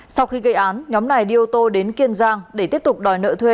sau khi gây án nhóm này đi ô tô đến kiên giang để tiếp tục đòi nợ thuê